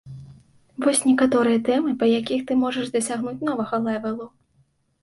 Вось некаторыя тэмы, па якіх ты можаш дасягнуць новага лэвэлу.